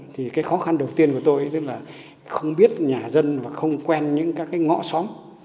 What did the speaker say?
thì cái khó khăn đầu tiên của tôi là không biết nhà dân và không quen những ngõ xóm